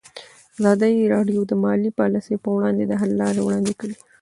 ازادي راډیو د مالي پالیسي پر وړاندې د حل لارې وړاندې کړي.